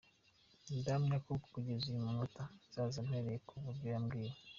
Ndahamya ko kugeza uyu munota azaza mpereye ku byo yambwiye.